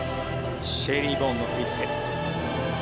シェイリーン・ボーンの振り付け。